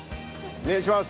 お願いします。